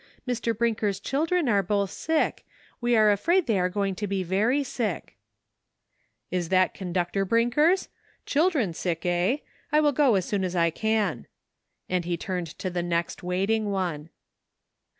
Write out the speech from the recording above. Mr. Brinker's children are both sick ; we are afraid they are going to be very sick." A TRYING POSITION. 135 "Is that Conductor Brinker's? Children sick, eh ? I will go as soon as I can," and he turned to the next waiting one.